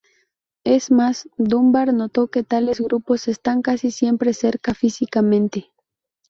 Es más, Dunbar notó que tales grupos están casi siempre cerca físicamente.